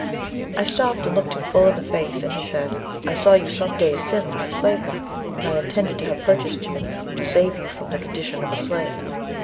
I stopped and looked him full in the face, and he said, 'I saw you some days since in the slavemarket, and I intended to have purchased you to save you from the condition of a slave.